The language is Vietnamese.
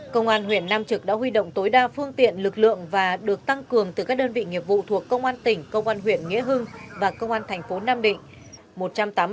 công an huyện nam trực đã huy động tối đa phương tiện lực lượng và được tăng cường từ các đơn vị nghiệp vụ thuộc công an tỉnh công an huyện nghĩa hưng và công an thành phố nam định